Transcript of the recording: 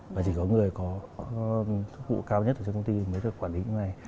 và chỉ có người có sức vụ cao nhất ở trong công ty mới được quản lý như thế này